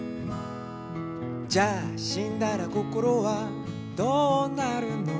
「じゃあしんだらこころはどうなるの？」